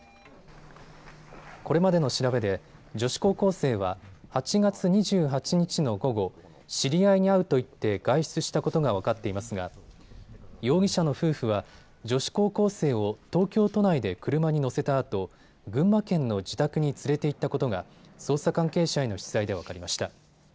これまでの調べで女子高校生は８月２８日の午後知り合いに会うと言って外出したことが分かっていますが容疑者の夫婦は女子高校生を東京都内で車に乗せたあと群馬県の自宅に連れていったことが捜査関係者への取材で分かりました。